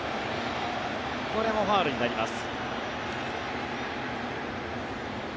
これもファウルになります。